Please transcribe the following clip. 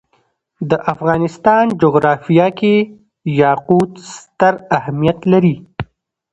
د افغانستان جغرافیه کې یاقوت ستر اهمیت لري.